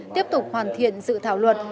tiếp tục hoàn thiện dự thảo luật